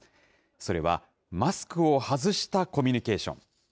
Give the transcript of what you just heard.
それはマスクを外したコミュニケーション。